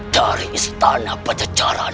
dari istana pancacaran